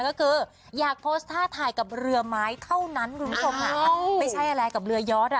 ก็คืออยากโพสตาร์ทถ่ายกับเรือไม้เท่านั้นลูกลุงสมไม่ใช่อะไรกับเรือยอร์ด